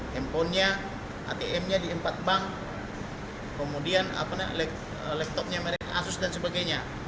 handphonenya atm nya di empat bank kemudian laptopnya merek asus dan sebagainya